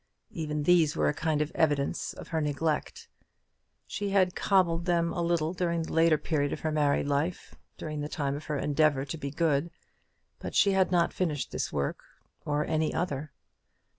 Even these were a kind of evidence of her neglect. She had cobbled them a little during the later period of her married life, during the time of her endeavour to be good, but she had not finished this work or any other.